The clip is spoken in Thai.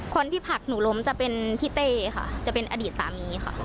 ผลักหนูล้มจะเป็นพี่เต้ค่ะจะเป็นอดีตสามีค่ะ